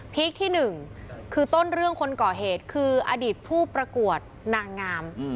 คที่๑คือต้นเรื่องคนก่อเหตุคืออดีตผู้ประกวดนางงาม